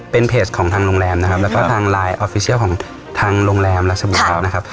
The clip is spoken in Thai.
เป็นเพจของทางโรงแรมนะครับแล้วก็ทางไลน์ออฟฟิเชียลของทางโรงแรมราชบุรีนะครับ